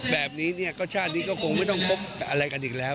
แบบนี้เนี่ยก็ชาตินี้ก็คงไม่ต้องคบอะไรกันอีกแล้ว